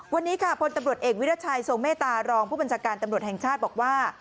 วันนี้ค่ะพลตำรวจเอกวิรัชัยทรงเมตตารองผู้บัญชาการตำรวจแห่งชาติบอกว่า